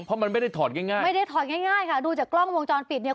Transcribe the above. เพราะมันไม่ได้ถอดง่ายค่ะดูจากกล้องวงจรปิดเนี่ย